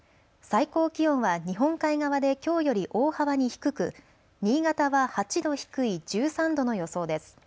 最高気温は日本海側できょうより大幅に低く新潟は８度低い１３度の予想です。